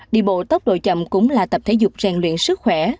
đi bộ tốc độ chậm cũng là tập thể dục rèn luyện sức khỏe